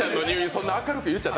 そんな明るく言ったら。